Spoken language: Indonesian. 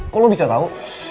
kok lo bisa tau